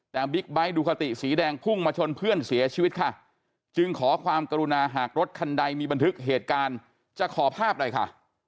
แต่บิ๊กไบท์ดูคาติสีแดงพุ่งมาชนเพื่อนเสียชีวิตค่ะจึงขอความกรุณาหากรถคันใดมีบันทึกเหตุการณ์จะขอภาพหน่อยค่ะ